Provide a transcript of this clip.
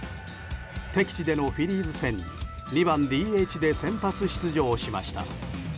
敵地でのフィリーズ戦２番ＤＨで先発出場しました。